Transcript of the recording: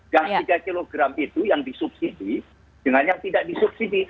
gas tiga kg itu yang disubsidi dengan yang tidak disubsidi